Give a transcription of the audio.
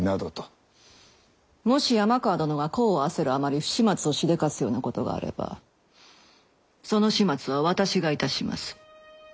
もし山川殿が功を焦るあまり不始末をしでかすようなことがあればその始末は私が致します。